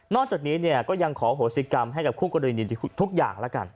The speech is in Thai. จากนี้ก็ยังขอโหสิกรรมให้กับคู่กรณีทุกอย่างแล้วกัน